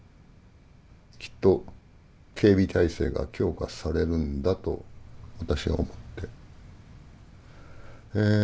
きっと警備体制が強化されるんだ」と私は思ってえ